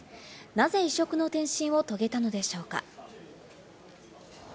なぜ異色の転身を遂げたのでしょうか。